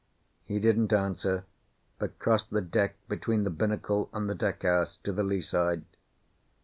He didn't answer, but crossed the deck between the binnacle and the deck house to the lee side.